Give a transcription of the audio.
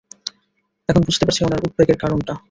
এখন বুঝতে পারছি উনার উদ্বেগের কারণটা!